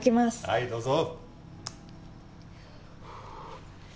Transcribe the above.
はいどうぞ！